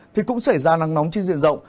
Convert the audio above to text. thì cũng xảy ra nắng nóng trên diện rộng